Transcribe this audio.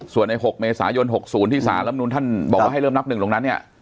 ส่วนใน๖เมษายน๖๐ที่สารลำนูนท่านบอกว่าให้เริ่มนับหนึ่งตรงนั้นเนี่ย